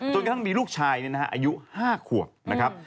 จนกระทั่งมีลูกชายอายุ๕ขวบ